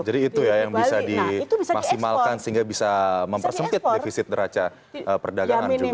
jadi itu ya yang bisa dimaksimalkan sehingga bisa mempersemkit defisit neraca perdagangan juga